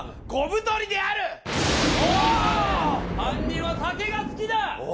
犯人は酒が好きだ！